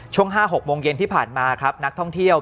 ช่วง๕๖โมงเย็นที่ผ่านมาครับนักท่องเที่ยว